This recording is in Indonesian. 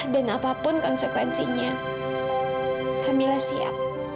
dan apapun konsekuensinya kak mila siap